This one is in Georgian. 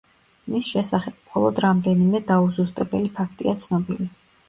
მის შესახებ მხოლოდ რამდენიმე დაუზუსტებელი ფაქტია ცნობილი.